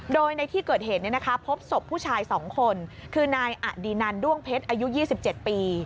โดยในที่เกิดเหตุพบศพผู้ชาย๒คนคือนายอดีนันด้วงเพชรอายุ๒๗ปี